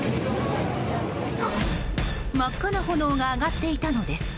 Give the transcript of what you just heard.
真っ赤な炎が上がっていたのです。